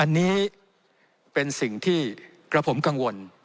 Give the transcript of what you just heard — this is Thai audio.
อันนี้เป็นสิ่งที่กระผมกังวล